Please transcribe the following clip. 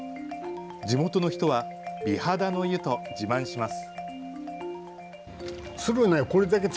地元の人は美肌の湯と自慢します。